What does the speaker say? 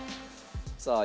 さあ